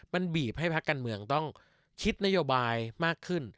มันบีบให้พักการเมืองต้องคิดนโยบายมากขึ้น